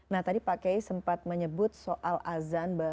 nah tadi pak kiai sempat menyebut soal azan